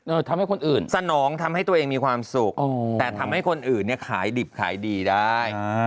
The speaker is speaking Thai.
ทำให้คนอื่นสนองทำให้ตัวเองมีความสุขแต่ทำให้คนอื่นเนี่ยขายดิบขายดีได้